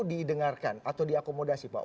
didengarkan atau diakomodasi pak